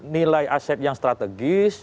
nilai aset yang strategis